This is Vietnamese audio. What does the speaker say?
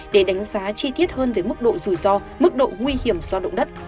để đánh giá chi tiết hơn về mức độ rủi ro mức độ nguy hiểm do động đất